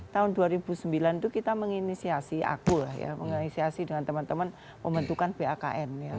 tahun dua ribu sembilan itu kita menginisiasi aku lah ya menginisiasi dengan teman teman pembentukan bakn ya